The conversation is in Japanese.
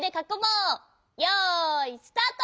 よいスタート！